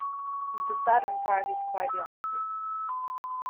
The Southern part is quite the opposite.